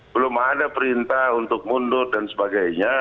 belum ada perintah untuk mundur dan sebagainya